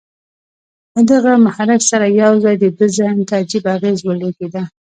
له دغه محرک سره یو ځای د ده ذهن ته عجيبه اغېز ولېږدېد